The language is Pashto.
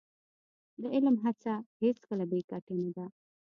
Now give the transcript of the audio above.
د علم هڅه هېڅکله بې ګټې نه ده.